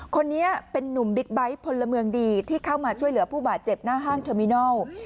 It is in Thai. คนนี้เป็นนุ่มบิ๊กไบท์พลเมืองดีที่เข้ามาช่วยเหลือผู้บาดเจ็บหน้าห้างเทอร์มินัล